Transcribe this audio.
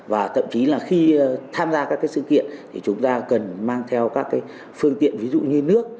và thậm chí là khi tham gia các sự kiện thì chúng ta cần mang theo các phương tiện ví dụ như nước